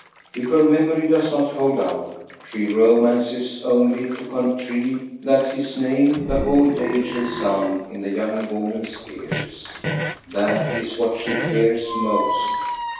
If her memory does not hold out, she romances, only to contrive that his name the whole day shall sound in the young woman's ears. That is what she fears most.